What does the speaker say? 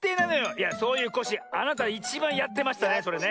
いやそういうコッシーあなたいちばんやってましたねそれね。